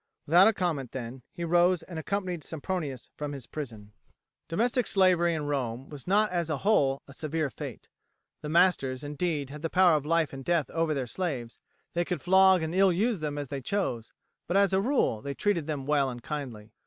Without a comment, then, he rose and accompanied Sempronius from his prison. Domestic slavery in Rome was not as a whole a severe fate. The masters, indeed, had the power of life and death over their slaves, they could flog and ill use them as they chose; but as a rule they treated them well and kindly.